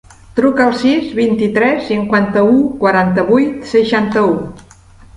Truca al sis, vint-i-tres, cinquanta-u, quaranta-vuit, seixanta-u.